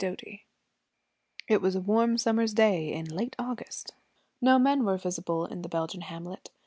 DOTY It was a warm summer's day in late August. No men were visible in the Belgian hamlet.